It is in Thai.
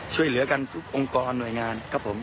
ช่วยเหลือกันทุกองค์กรหน่วยงานครับผม